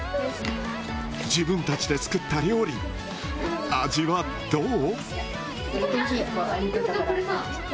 自分たちで作った料理味はどう？